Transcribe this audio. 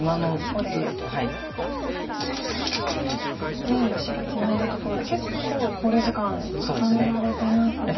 ここで今白ツナいだところで結構考慮時間重ねられてますね。